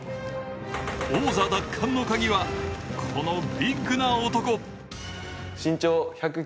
王座奪還のカギはこのビッグな男。